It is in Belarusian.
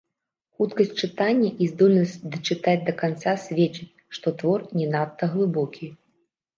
Хуткасць чытання і здольнасць дачытаць да канца сведчыць, што твор не надта глыбокі.